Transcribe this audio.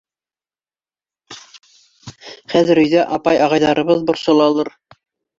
Хәҙер өйҙә апай-ағайҙарыбыҙ борсолалыр.